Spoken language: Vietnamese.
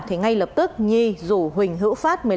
thì ngay lập tức nhi rủ huỳnh hữu phát